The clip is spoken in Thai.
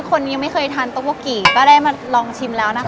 คนยังไม่เคยทานตกโป๊กิก็ได้มาลองชิมแล้ว